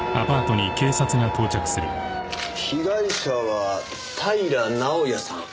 被害者は平直哉さん。